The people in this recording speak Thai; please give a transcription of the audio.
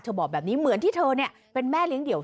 บอกแบบนี้เหมือนที่เธอเป็นแม่เลี้ยงเดี่ยว